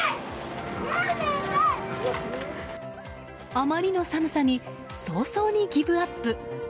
あまりの寒さに早々にギブアップ。